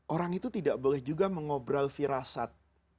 orang itu tidak boleh juga mengobrol firasat